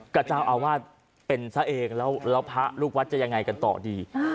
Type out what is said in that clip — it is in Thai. ก็เจ้าอาวาสเป็นซะเองแล้วพระลูกวัดจะยังไงกันต่อดี